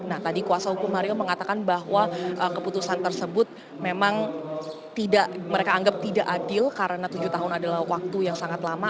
nah tadi kuasa hukum mario mengatakan bahwa keputusan tersebut memang mereka anggap tidak adil karena tujuh tahun adalah waktu yang sangat lama